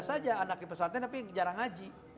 saja anak di pesan tren tapi jarang ngaji